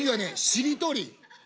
しりとり？